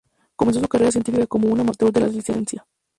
Comenzó su carrera científica como un amateur de la ciencia.